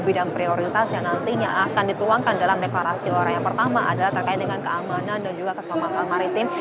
bidang prioritas yang nantinya akan dituangkan dalam deklarasi orang yang pertama adalah terkait dengan keamanan dan juga keselamatan maritim